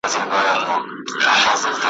ورځي مو ورکي له ګلونو له یارانو سره `